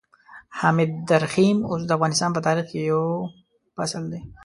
حامد درخيم اوس د افغانستان په تاريخ کې يو فصل دی.